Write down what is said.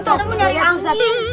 ustadz mau nyari angin